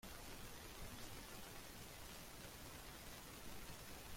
El timbre es una corona naval.